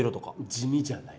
地味じゃない？